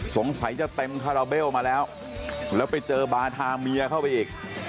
สงสัยจะเต็มคาราเบลมาแล้วแล้วไปเจอบาธาเมียเข้าไปอีก